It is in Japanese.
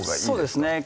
そうですね